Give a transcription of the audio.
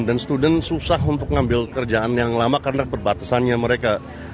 dan student susah untuk ngambil kerjaan yang lama karena perbatasannya mereka